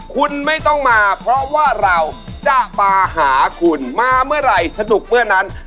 คุณไม่ต้องมาเพราะว่าเราจะมาหาคุณมาเมื่อไหร่สนุกเมื่อนั้น